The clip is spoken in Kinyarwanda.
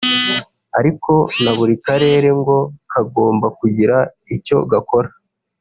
ariko na buri karere ngo kagomba kugira icyo gakora